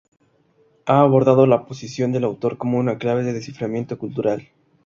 Ha abordado la posición del autor como una clave de desciframiento cultural.